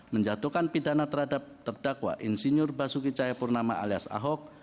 menjatuhkan pidana terhadap terdakwa insinyur basuki cahayapurnama alias ahok